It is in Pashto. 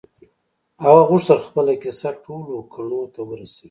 هغه غوښتل خپله کيسه ټولو کڼو ته ورسوي.